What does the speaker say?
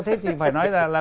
thế thì phải nói là